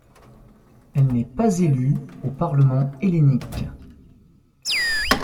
Elle n'est pas élue au parlement hellénique.